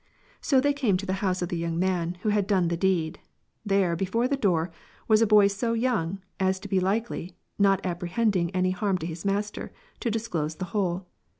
So they came to the house of the young man, who had done the deed. There, before the door, was a boy so young, as to be likely, not apprehending any harm to his master, to disclose the whole.